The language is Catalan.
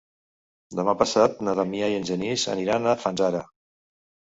Demà passat na Damià i en Genís aniran a Fanzara.